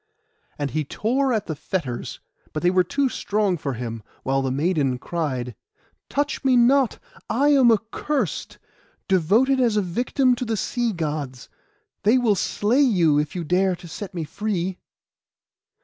And he tore at the fetters, but they were too strong for him; while the maiden cried— 'Touch me not; I am accursed, devoted as a victim to the sea Gods. They will slay you, if you dare to set me free.